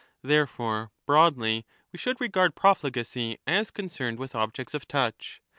Therefore, broadly, we should regard profligacy as concerned with objects of touch.